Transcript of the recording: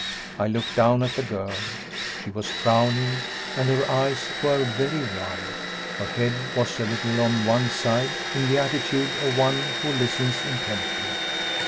I looked down at the girl. She was frowning, and her eyes were very wide. Her head was a little on one side, in the attitude of one who listens intently.